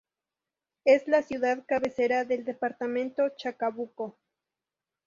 Es la ciudad cabecera del departamento Chacabuco.